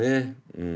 うん。